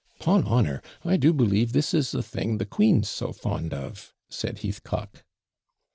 ''Pon honour! I do believe this is the thing the queen's so fond of,' said Heathcock.